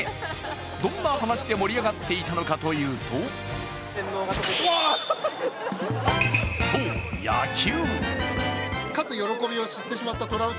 どんな話で盛り上がっていたのかというとそう、野球。